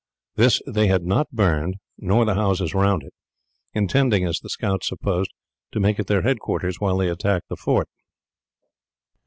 This they had not burned nor the houses around it, intending, as the scouts supposed, to make it their headquarters while they attacked the fort.